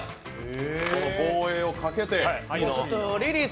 防衛をかけて。